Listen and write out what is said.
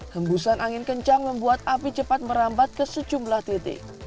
hembusan angin kencang membuat api cepat merambat ke sejumlah titik